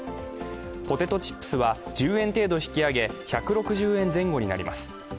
ポテトチップスは１０円程度引き上げ１６０円前後になります。